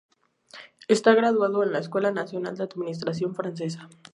Está graduado en la Escuela Nacional de Administración Francesa.